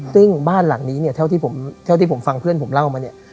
ซึ่งบ้านหลังนี้เท่าที่ผมฟังเพื่อนผมเล่ามา